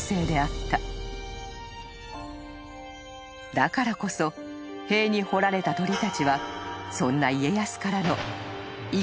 ［だからこそ塀に彫られた鳥たちはそんな家康からの］